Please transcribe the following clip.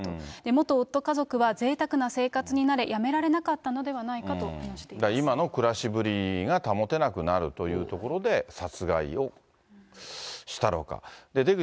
元夫家族は、ぜいたくな生活に慣れ、やめられなかったのではないだから、今の暮らしぶりが保てなくなるというところで、殺害をしたのか。